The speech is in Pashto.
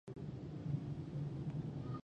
ښوونه او روزنه د نجونو راتلونکی روښانه کوي.